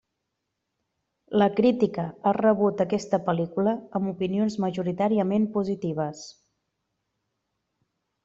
La crítica ha rebut aquesta pel·lícula amb opinions majoritàriament positives.